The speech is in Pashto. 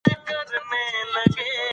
تاریخي نثر د نثر یو ډول دﺉ.